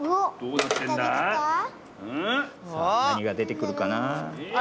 なにがでてくるかなあ？